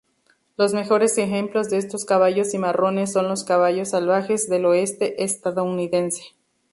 Los mejores ejemplos de estos caballos cimarrones son los caballos "salvajes" del oeste estadounidense.